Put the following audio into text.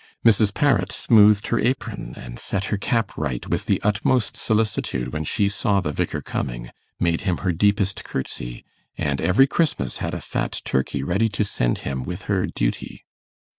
Mrs. Parrot smoothed her apron and set her cap right with the utmost solicitude when she saw the Vicar coming, made him her deepest curtsy, and every Christmas had a fat turkey ready to send him with her 'duty'.